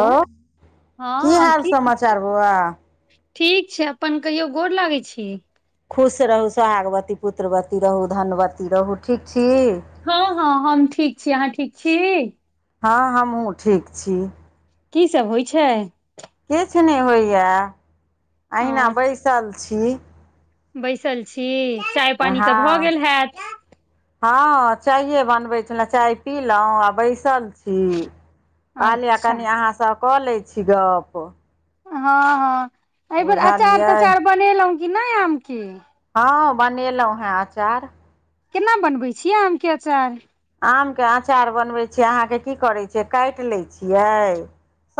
Hello की हाल समाचार बौआ। ठीक छै अपन कहियो गोर लागैत छी। खुश रहू सोहागवती पुत्रवती रहू धनवती रहू ठीक छी। हँ हँ हम ठीक छी। अहाँ ठीक छी? हँ हमहु ठीक छी। कीसब होइ छै? किछु नहि होइया अहिना ओ बैसल छी। बैसल छी चाय पानी तऽ हँ भऽ गेल हैत। हँ चाये बनबे छलउ चाय पीलउ आ बैसल छी। कहलियै अच्छा कनि अहाँस कऽ लैत छी गप। हँ हँ एहि बेेर अचार बुझलियै तचार बनेलहुँ की नहि आमके। हँं बनेलहुँं हेँ अचार। केना बनबै छियै आमके अचार? आमके अँचार बनबै छियै अहाँके की करै छियै काटि लै छियै।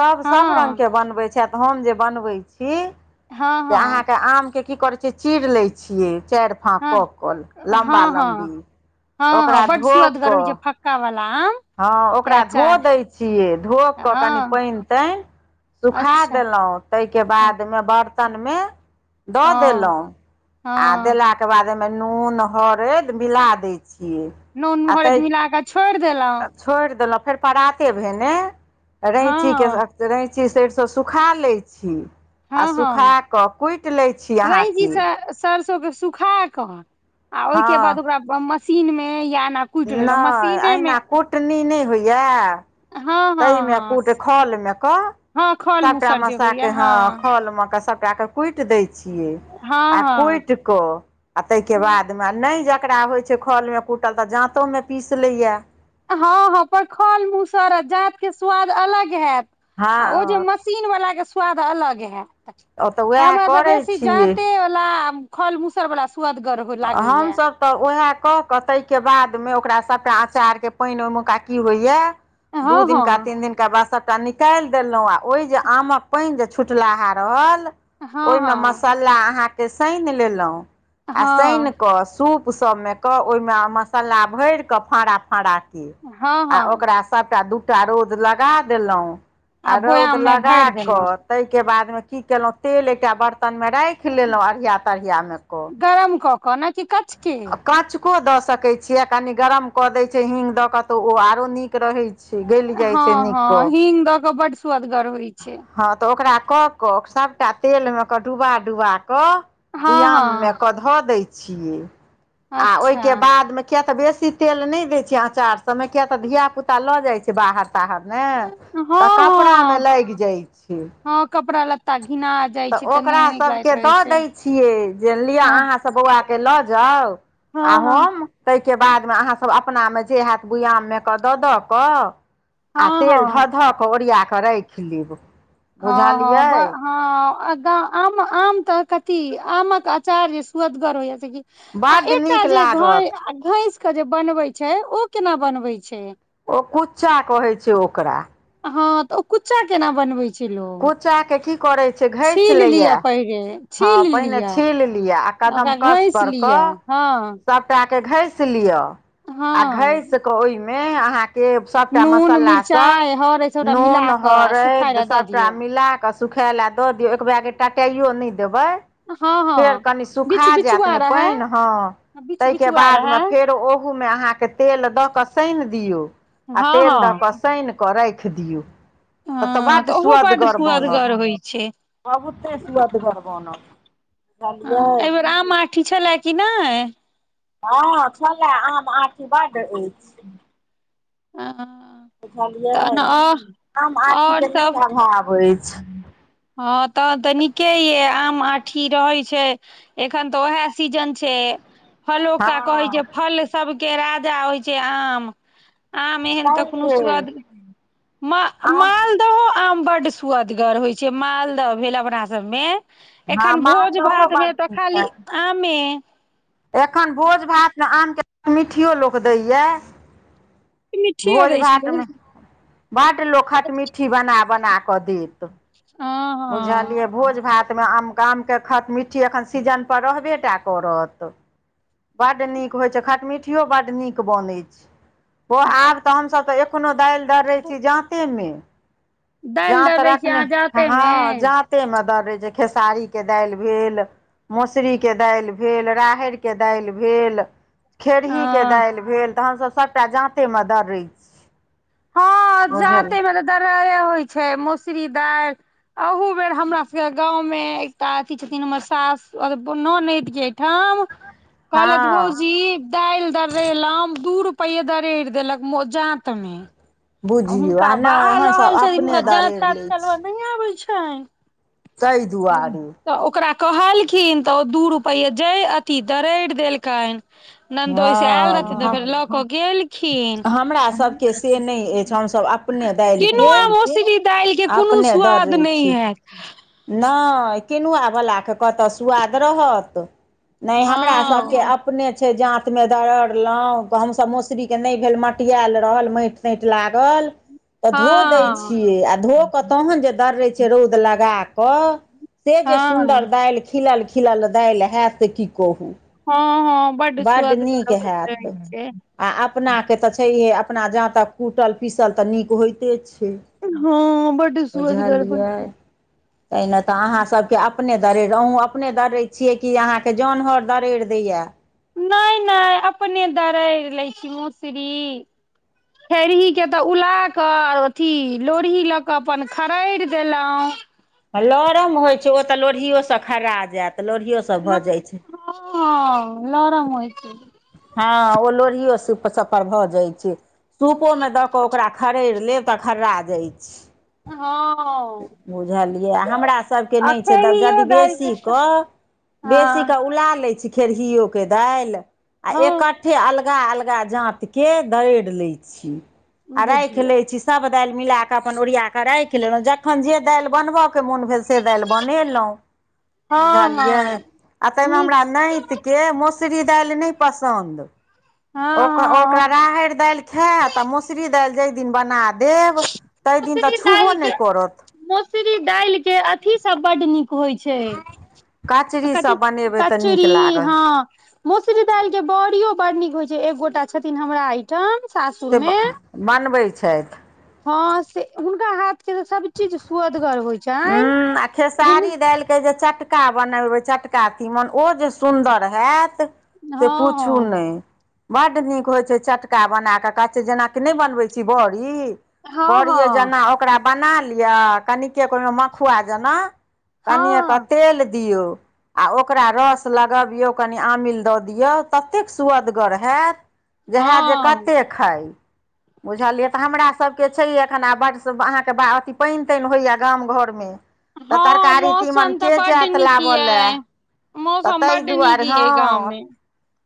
सभ हँ सभ रङ्गके बनबै छथि हम जे बनबै छी। हँ से हँ अहाँके आमके की करै छिय चीर लै छियै चार। हँ फाँकऽ कल लम्बा हँ हँ लम्बी ओकरा धो। कऽ कवला अं। हँ ओकरा धो दैत छियै धो कऽ कनि हँ पाइन ताइन। सुखा अच्छा देलहुँ ताहिके हँ बादमे बरतनमे। दऽ हँ देलहुँ आ हँ देलहा। तके बाद ओहिमे नून हरैद मिला दै छियै। नून आ मुहरद ताहि मिलााक छोड़ि देलहुं। छोड़ि देलहुँ फेर पराते भेने रैचीके। हँ रैची सरिसो सुखा लै छी। आ हँ सुखा हँ कऽ कुटि लै छी अहाँके। सरसों के सुखााकऽ आ ओहिके बाद हँ ओकरा मशीन मे याना। नहि अहिना कुटनी नहि होइया। हँ ता हँ मे हँ कूट खल मे क हँ खल सबटा मूसर जे मसा होइया के हँ खल मे कऽ सबटा। ओ के कुटि देय छियै हँ आ हँ कुटि क आ ताहि के बाद। नहि जकरा होइ छै खलमे कुटल तऽ जाँतोमे पीस लैया। हँ हँ पर खल मुसरत जात के स्वाद अलग हैत। आ ओ जे हँ मशीन वाला के स्वाद अलग हैत। तऽ उएह हमरा तऽ करै बेसी छियै जाते वला फल मूसल वालला सुअदगर। लागैया हमसभ। तऽ उएह कऽ कऽ ताहिके बादमे ओकरा सभटा अँचारके पानि ओहिमेुका की होइएा दू हँ दिन हँ का तीन दिन। त बाद सभटा निकालि देलहुँ आ ओहि जे आमक पानि जे छुटलाहा रहल। हँ ओहिमे हँ मसाला अहाँके सनि लेलहुँ। आ सानि हँ कऽ सूपसभमे क ओहिमे मसाला भरि कऽ फड़ा फड़ा। की हँ आ हँ ओकरा सभटा दू टा रोद लगा देलहुँ। आ रौद बोयाम मे लगा भरि देलहुँ कऽ। ताहिके बादमे की केलहुँ तेल एकटा बर्तनमे राखि लेलहुँ अढ़िया तढ़ियामे कऽ। कोना की कछ की। कचको द सके छियै कनी गरम क देय छै हींग द के तो ओ आरो नीक रहै छै। गैल जाइत छै हँ नीक हँ कऽ हींग दऽ कऽ बड्ड सुदगर होइ छै। हँ तऽ ओकरा कऽ कऽ सभटा तेल मे कऽ डुबा डुबा कऽ। हँ बुयाममे हँ कऽ धऽ दैत छियै आ अच्छा ओहिके बादमे। किया तऽ बेसी तेल नहि दै छैै अचार सभमे किया तऽ धिया पुता लऽ जाइत छै बाहर। साहर ने तऽ हँ कपड़ा मे हँ लगि जाय छै। हँ कपड़ा लता घिना। जाइ तऽ छै ओकरा नहि नीक लागैत सभके रहै दऽ छै दै छियै जे लिअ हँ अहाँसभ बौआके लऽ जाउ। आ हँ हँ ‌हम। ताहिके बादमे अहाँसभ अपनामे जे हत बुआाममे कऽ दऽ दऽ कऽ। आ तेल हँ धऽ धऽ कऽ ओरिया कऽ राखि लेब हँ बुझलियै। हँ आम तऽ कथी आमक अचार जे सुअदगर होइ छै की। आ बड्ड एकटा नीक जे लागत घैं घैस के जे बनबै छै ओ केना बनबै छै। ओ कुच्चा कहै छै ओकरा। हँ, तऽ ओ कुच्चा केना बनबे कुच् चाके की करैत छै, घैस छील लैया, लिअ पहिरे हँ, छील पहिने लिअ छील लिअ आ कदम ओकरा कस घैस पर लिअ कऽ हँ सब टा के घैस लिय, आ हँ घैस के ओहिमे अहाँके सबटा नून मसला सब, मिरचाइ हर सबटा मिला नून कऽ आ सुखाय हरैद लए दऽ सब दियौ मिलााक सुखाय ल द दियऔ, एकबेगे टटाइयो नहि देबे। हँ फेर हँ कनि बिच सुखा जायत बिचुआ ने रहै पानि, हँ। बिच ताहिके बिचुआ बादमे, रहै फेर ओहूमे अहाँके, तेल दऽ कऽ सानि दियौ, आ हँ तेल दऽ हँ कऽ, साइन कऽ राखि दियौ, तऽ तऽ हँ बड्ड ओहो बड्ड सुआदगर बोनत, सुअदगर होइ छै बहुते सुआदगर बनत। हाँ, बुझलियै एहि बेेर आम आठी छला कि नहि, हँ छला, आम आठी बड्ड अछि। आ बुझलियै, आम आठी आओर के सब नहि अभाव अछि। हँ, तहन तऽ नीके ये, आम आठी रहै छै एखन तऽ ओहे सीजन छै, फलोका कहै हँ जे, फल सबके राजा होइ छै आम। आम एहन सही तखनो छै स्वाद, आम मालदहो आम बड सुअदगर होइ छै, मालदह भेल अपना सब मे, हँ एखन भोज मानदहो बड भातमे तऽ नीक खाली छै आमे, एखन भोज भातमे आमके, मिट्ठियो लोक दैए। मिठियो भोज दै छलै भातमे, बड लोक खटमिट्ठी बना- बना कऽ देत, हँ हँ बुझलियै, भोज भातमे आम कामके खत मिट्ठी, एखन सीजन पर रहबे टा करत, बड्ड नीक होइत छै, खटमीठियो बड्ड नीक बनै छै, ओ आब तऽ, हमसभ तऽ एखनहु दालि दर रहै छी जाँतेमे, दालि दऽ जातऽ दै छियै रखने, अहाँ जाते मे हँ जा कते मे दर रह छै, खेसारी के दायल भेल, मसरी के दायल भेल, राहर के दाइल भेल, अ खेरहीके दाइल भेल, तऽ हमसभ सभटा जाँतेमे दरैत छी। हँ, बुझल जातेमे तऽ दरे होइ छै, मोसरी दाइल, अहु बेर हमरा सके गाँंव में, एकटा अथी छथिन, हमर सास, एगो ननैद के ठाम कहलैथऽ हँ भौजी, दाइल दर्रेलहुं, दू रूपये दरड़ि देलक जात मे, आ बुझियौ हुनका नहि बाहर हमसभ रहल छन, हुनका अपने जात- दरड़ि तात लै छी चलबल नहि आबैत छ। ताहि हू दुआरे तऽ ओकरा कहलखिन, तऽ ओ दू रुपैए जय, अथिी दरैड़ देलकय, ननदोयस आएल रहथिन, तऽ हँ फेर लऽ क गेल खिन, हमरा सभके से नहि अछि हमसभ अपने दालिके किनूआ मोसही दाइल के कोनो स्वाद नहि हयैत, नोय, किनुआ बला के कतऽ स सुआाद रहत, ने हँ हमरा सबके अप अपने छै, जाँतमे दरड़लौ, गहुम स मसुरीके नहि भेल मटियाल रहल, मैट नैट लागल, तऽ धो दै हँ छियै, आ धो कऽ तहन जे दर्रैत छै, रौद लगा कऽ, से जे सुन्दर हँ दाइल, खिलल -खिलल दाइल हयैत, की कहू। हँ-हँ बड स्वदगरो रहे छय। आ अपनाके त छैहे, अपना जांतक कूटल, पीसल तऽ नीक होइते छै। हँ बड सुअजगर होइ छै। [inaudible] तईना तऽ अहाँसबके अपने दड़रि, अहूँ अपने दड़रै छियै कि अहाँके जोन हर दरैड़ि दैया। नहि-नहि अपने दडै़र लै छी मोसरी खेरही के तऽ उला क अथी लोरहि लऽ क अपन खड़रि देलऊ। लरम होइ छै, ओ तऽ लोढ़िओसँ खर्रा जैत, लोढ़िओसँ भऽ जाइ छै। हँ-हँ लरम होइ छै। हँ ओ लोढ़ियो सुप सब पर भऽ जाई छै। सूपोमे दऽ कऽ ओकरा खरड़ि लेब तऽ खर्रा जाइ छय। आ हँ बुझलियै हमरा सबके आ नहि छै, त खेरहियो यदि दालि के बेसीक स कऽ बेसीेक हँ उला लै छी खेरहिओके दाईल आ हँ एकट्ठे अलगा -अलगा जाँतके दरड़ि लै छी। आ राइख बुझियौ लै छी स सब दाईल मिलाक अपन ओरियाक राखी लेलऊ, जखन जे दाईल बनबअ के मोन भेल से दाईल बनेलउ हँ बूझलियै, हँ आ तई मै नीक हमरा नैत के मोस मोसरी दाईल नहि पसन्द, हँ ओ क ओ करा हँ राहैर दाईल खैत, आ मोसरी दाईल जै दिन बना देब, तय दिन तऽ छूबो नहि करत। मोसरी दाईल के अथी सब बड नी क होइ छै कचरीसँ कच- बनेबै तऽ नीक कचरी लागल हँ। मोसरी दाईल के बॉड़ियो बड़ नीक होय छै, एक गोटा छथिन हमरा आइटम सासुर से मे। बनबै छैथ। हँ से हुनका हाथ के त सब चीज सुअदगर होइ छाइन, हिन दाईल के जे चट का बनेबै चटका तीमन ओ जे सुन्दर हैत। से पूछू हँ नहि। बड्ड नीक होइ छै चटका बना कऽ, कच जेनाकि नहि बनबै छी बौरी। हँ बड़िए हँ जेना ओकरा बना लिय, कनिके ओहिमे मखुआ जेना कनिए क हँ तेल दियौ। आ ओकरा रऽस लगबियौ कनि आमिल दऽ दियौ, ततेक स्वदगर हैत। जे हैत जे हँ कतेक खाइ बुझलियै, तऽ हमरासबके छैहे एखन आ बड सुख अहां क बा अथी पईन-तईन होइया गाम घरमे। तऽ हँ तरकारी तीमन मौसम तऽ के बड्ड जैत नीक लाबऽ ये लै। त मौसम तई बड्ड नीक दुआरे हँ। ये गाँव मे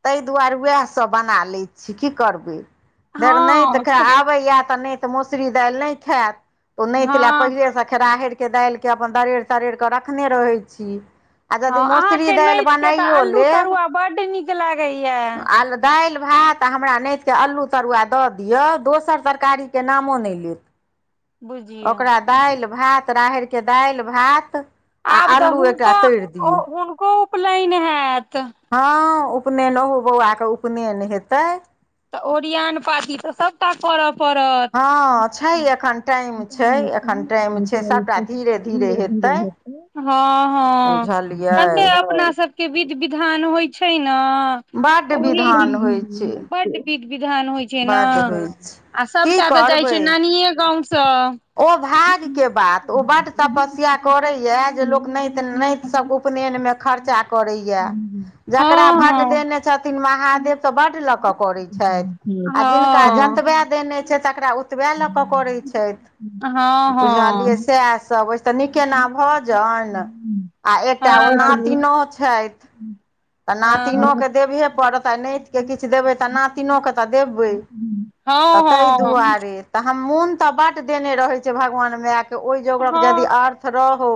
तई दुआरे उएहसब बना लै छी की करबै। धैर नैत हँ खैं आबैए, त नैत मोसरी दाईल नहि खैत ओ नैत लए हँ पहिलेसँ खे राहैरकेँ दाईल केऽ अपन दरड़ि तरड़ि कऽ रखने रहै छी। आ हँ यदि मोसरी दाईल बनाइयो लेब। बड नीक लागै यैं। आल दाईल, भात आ हमरा नैतके अल्लू तरुआ दऽ दियौ, दोसर तरकारीके नामो नहि लेत। बुझियौ ओकरा दाईल, भात राहैर दाईल, भात आ अल्लू एकटा तैइर दियौ। उपलैन हेत। हँ उपनयन ओहो बौआके उपनैन हेतै। तऽ ओरियान पाती तऽ ओहो। करऽ पड़त ह। हँ छै एखन टाइम छै एखन टाइम छै सभटा धीरे धीरे हेतै हँ हँ बुझलियै जते अपना सब। के विध विधान होइ छै न। बड्ड विधान होइ छै। बड विध विधान होइ छै न बड्ड होइ छै आ की सबटा तऽ जाइ छै करबै नानिये गाँंव सँ। ओ भाग्य के बात ओ बड तपस्या करैया जे लोक नैत न। सभ उपनैनमे खर्चा करैए। जकरा बड्ड हँ देने छथिन महादेव तऽ बड्ड लऽ कऽ करै छै। आ जिनका हँ हँ जतबे देने छै तकरा ओतबे लऽ कऽ करै छैथ। हँ। बुझलियै सैह सब अई। तऽ निकेना भ जाइन आ हँ एकटा ओ हँ नातिनो छै। तऽ हँ हँ नातिनोके देबहे पड़त आ नैत। के किछु देबै तऽ नातिनोके तऽ देबै तऽ ताहि हँ दुआरे। तऽ हम मोन तऽ बड्ड देने रहै छै भगवान मायके ओहि जगरक यदि हँ अर्थ रहौ।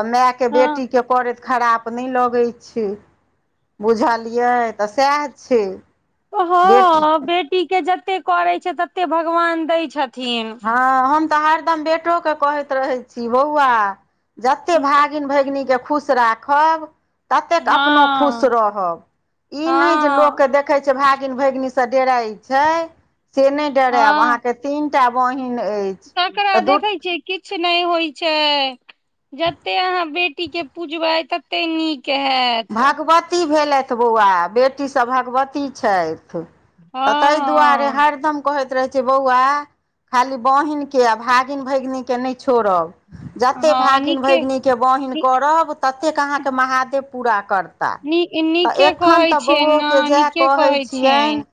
तऽ मै के हँ बेटीके करेत खराप नहि लगै छै। बुझलियै तऽ सैह छै। बेटी ह बेटी के जते करे छै तते भगवान दैय छथिन। हँ हम तऽ हरदम बेटोके कहैत रहै छी बौआ। जतेक भागिन भगिनीके खुश राखब। ततेक अपनो खुश हँ रहब ई नहि जे लोक हँ के देख। देखें छियेय भागीन भैगनी से डराइ छै से नैय डरैब आहा हँ के तीन। त बहीन अइ। तकरा देखै छियै किछु नहि होइत छै। जत्ते अहाँ बेटी के पूजबै तत्ते नीक है। भगवती भेलैथ बौआ बेटीसभ भगवती छैथ। तऽ ताहि दुआरे हँ हरदम। कहैत रहे छ बौआ खाली बहिन के आ भागिन भगिन के नहि छोड़ब। जतेक हँ भागिन नीके भगिनकीके बहिन करब ततेक अहाँके महादेव पूरा करत। नी तऽ नीके एखन कहै तऽ छियै ने बौओके जाए नीके कहै छियैन। छियनि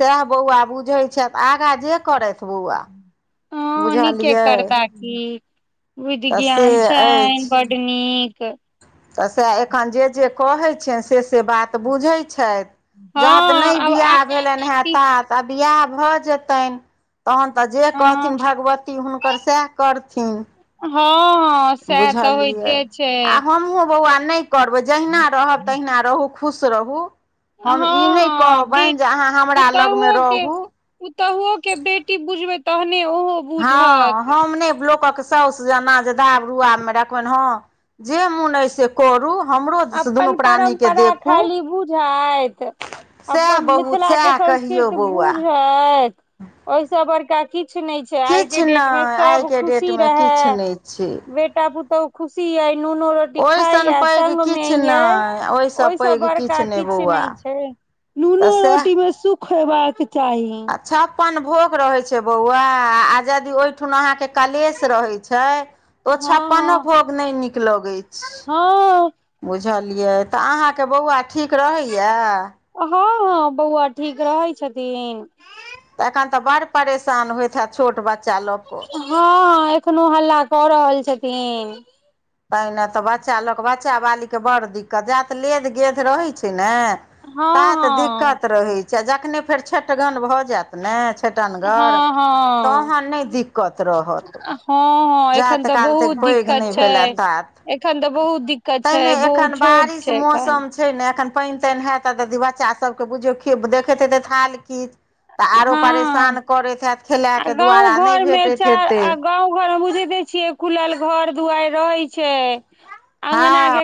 सएह बौआ बुझैत छथि आगाँ जे करैथ बौआ। ह नीके बुझलियै करता की बुध तऽ से ज्ञान छै बड। अछि बड नीक। तऽ सएह एखन जे जे कहैत छैथ से से बात बुझैत छैथ। हँ जात नहि आब आगाँ बियाह भेलैन हें करती तात। तऽ बिआह भऽ जेतनि तहन तऽ जे कहथिन हँ भगवती हुनकर सैह। करथिन। हँ हॅ। बुझलियै आ हमहुूँ बौआ नहि। करबै जहिना रहब तहिना रहू खुश रहू। हम ई नहि हँ बेट कहबैन जे अहाँ हमरा लगमे पुतहुओ के रहू। पुतहुओ के बेटी बुझबै तहने ओहो। हँ बुझत हम नै बलोकक साउस जेना जे दाब रुआब मे रखबैन हँ जे मोन अइ से करू हमरो दुनू अप्पन प्राणीके परम्परा देखू खाली बुझैथ सएह अपन बहुत मिथिला के सएह कहियौ संस्कृति बौआ बुझैथ झैथि ओइ स बड़का किछु नै छै आइ के किछु डेट मे नहि सब आइके खुशी डेटमे रहै किछु नहि छै बेटा पुतोहु खुशी अइ नुनो रोटी ओहिसन खाइयै पैघ संग में किछु अइ नहि ओहिसँ ओइस पैघ किछु बड़का नहि किछ बौआ ने छै तऽ नुनो सएह रोटी मे सुख हेबाक चाही। हँ आ छप्पन भोग रहै छै बौआ आ जदि ओइ ठुन अहां के कलेश रहे छै ओ छप्पनो हँ भोग नै नीक लगे छै। हँ बुझलियै तऽ अहाँके बौआ ठीक रहैयै? हँ हँ बौआ ठीक रहै छथिन। तऽ एखन तऽ बड़ परेशान होइत हैत छोट बच्चा लक। हँ एखनो हल्ला कऽ रहल छथीन। तैं ने तऽ बच्चा ल क बच्चा बाली के बड़ दिक्कत जात लेद गेद रहै छै नै हँ तात हँ दिक्कत रहै छै आ जखने फेर छेटगन भऽ जैत नै छेटनगर हँ हँ तहन नै दिक्कत रहत। हॅं हँ एखन जात तऽ काल बहुत तक पैघ दिक्कत नहि छै भेलए तात एखन तऽ बहुत दिक्कत छै ताहिमे बहुत एखन छोट बारिश छै एखन। मौसम छै ने एखन पानि ताइन हैत आ द बच्चा सबके बुझियौ खे देखैत हेतै थाल कीच तऽ आरो हँ परेशान करैत हैत खेलै आ के गाँंव दुआरा नै घर मे भेटैत चार हेतै। आ गाँंव घर में बुझैते छिये खुलल घर दुआरि रहै छै अंगना हँ के